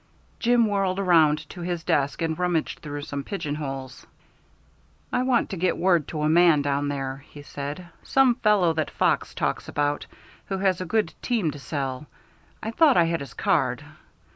Jim whirled around to his desk and rummaged through some pigeonholes. "I want to get word to a man down there," he said, "some fellow that Fox talks about, who has a good team to sell. I thought I had his card.